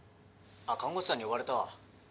あっ看護師さんに呼ばれたわ。